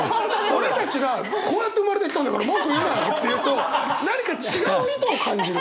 俺たちが「こうやって生まれてきたんだから文句言うなよ」って言うと何か違う意図を感じる。